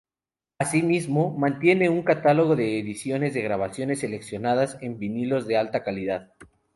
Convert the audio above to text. Asimismo, mantiene un catálogo de ediciones de grabaciones seleccionadas en vinilos de alta calidad.